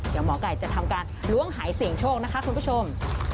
เดี๋ยวหมอไก่จะทำการล้วงหายเสี่ยงโชคนะคะคุณผู้ชม